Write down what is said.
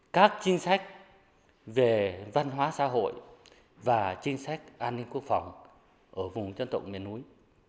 các chính sách về văn hóa xã hội và chính sách an ninh quốc phòng ở vùng dân tộc miền núi